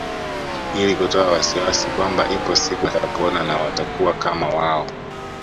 Ili kutoa wasiwasi kwamba ipo siku watapona na watakuwa kama wao